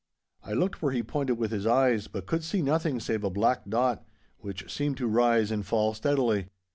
I looked where he pointed with his eyes, but could see nothing save a black dot, which seemed to rise and fall steadily.